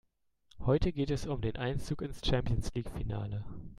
Heute geht es um den Einzug ins Champions-League-Finale.